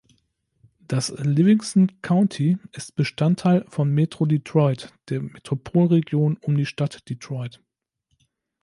Das Livingston County ist Bestandteil von Metro Detroit, der Metropolregion um die Stadt Detroit.